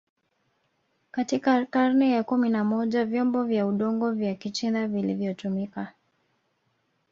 Katika karne ya kumi na moja vyombo vya udongo vya kichina vilivyotumika